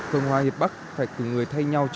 công hoa hiệp bắc phải từng người thay nhau